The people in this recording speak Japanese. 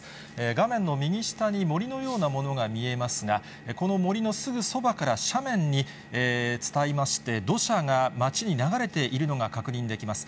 画面の右下に森のようなものが見えますが、この森のすぐそばから斜面に伝いまして、土砂が街に流れているのが確認できます。